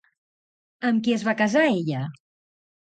Amb qui es va casar ella?